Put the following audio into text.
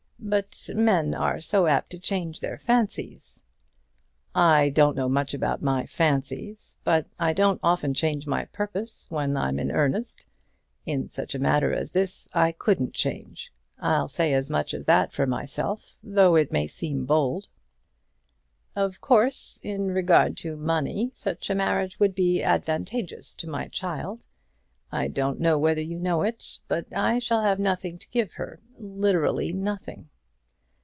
"But men are so apt to change their fancies." "I don't know much about my fancies; but I don't often change my purpose when I'm in earnest. In such a matter as this I couldn't change. I'll say as much as that for myself, though it may seem bold." "Of course, in regard to money such a marriage would be advantageous to my child. I don't know whether you know it, but I shall have nothing to give her literally nothing."